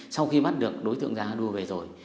sau khi bắt được đối tượng giang anua về rồi